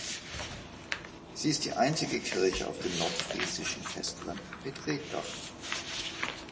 Sie ist die einzige Kirche auf dem nordfriesischen Festland mit Reetdach.